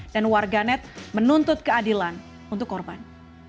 dan warganet menuntut keadilan untuk korban